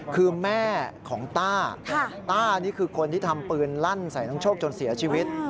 คือแม่ของต้าต้านี่คือคนที่ทำปืนลั่นใส่น้องโชคจนเสียชีวิต